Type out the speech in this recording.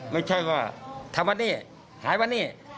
ไม่ใช่ว่าทำมานี่หายมานี่